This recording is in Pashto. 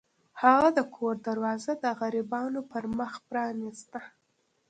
هغه د کور دروازه د غریبانو پر مخ پرانیسته.